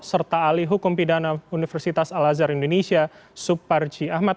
serta ahli hukum pidana universitas al azhar indonesia suparji ahmad